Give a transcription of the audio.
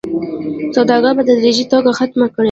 سوداګري په تدريجي توګه ختمه کړي